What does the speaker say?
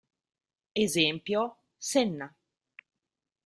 Esempio: Senna.